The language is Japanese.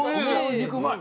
肉うまい。